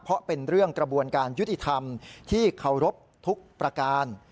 เพราะเป็นเรื่องกระบวนการยุติธรรมที่เคารพทุกประการ